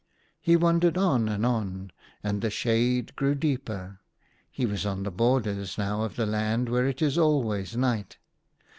He wandered on and on, and the shade grew deeper. He was on the borders now of the land where it is always night.